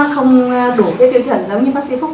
không đủ cái tiêu chuẩn nếu như bác sĩ phúc